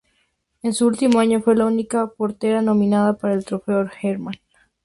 En su último año, fue la única portera nominada para el Trofeo Hermann.